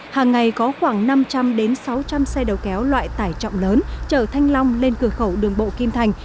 hàng ngày có khoảng năm trăm linh sáu trăm linh xe đầu kéo loại tải trọng lớn chở thanh long lên cửa khẩu đường bộ kim thành